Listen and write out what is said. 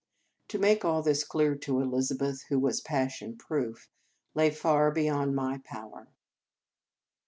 To make all this clear to Elizabeth, who was passion proof, lay far beyond my power.